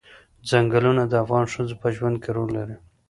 ځنګلونه د افغان ښځو په ژوند کې رول لري.